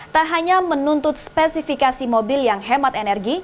tak hanya menuntut spesifikasi mobil yang hemat energi